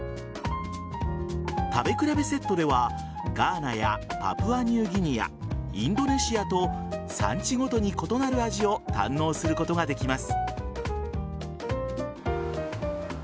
食べ比べセットではガーナやパプアニューギニアインドネシアと産地ごとに異なる味を堪能することができます。